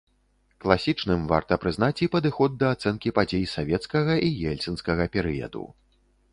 Класічным варта прызнаць і падыход да ацэнкі падзей савецкага і ельцынскага перыяду.